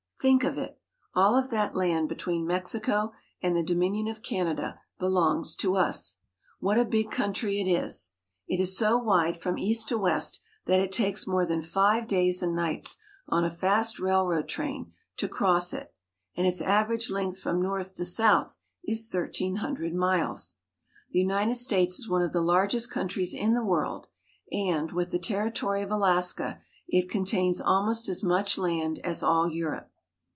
Think of it! All of that land between Mexico and the Dominion of Canada belongs to us. What a big country it is! It is so wide from east to west that it takes more than five days and nights on a fast railroad train to cross it; and its average length from north to south is thirteen hundred miles. The United States is one of the largest countries in the world, and, with the territory of Alaska, it contains almost as much land as all Europe.